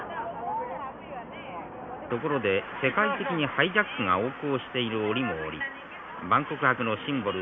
「ところで世界的にハイジャックが横行している折も折万国博のシンボル